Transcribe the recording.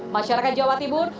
masyarakat jawa tibur